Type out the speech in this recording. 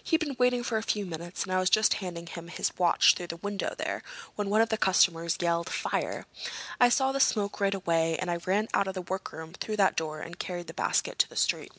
"He'd been waiting for a few minutes and I was just handing him his watch through the window there when one of the customers yelled 'Fire!' I saw the smoke right away, and I ran out of the workroom through that door and carried the basket to the street."